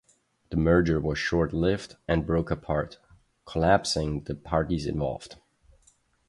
The merger was short-lived and broke apart, collapsing the parties involved.